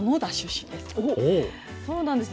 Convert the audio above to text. そうなんです